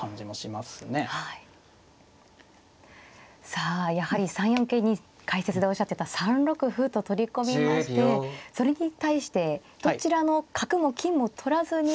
さあやはり３四桂に解説でおっしゃってた３六歩と取り込みましてそれに対してどちらの角も金も取らずに。